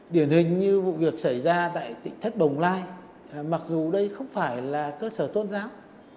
điển hình như vụ việc xảy ra tại tỉnh thất bồng lai mặc dù đây không phải là cơ sở tôn giáo